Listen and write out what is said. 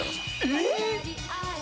えっ？